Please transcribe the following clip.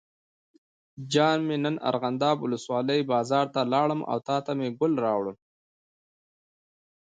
جان مې نن ارغنداب ولسوالۍ بازار ته لاړم او تاته مې ګل راوړل.